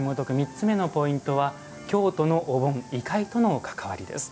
３つ目のポイントは「京都のお盆異界との関わり」です。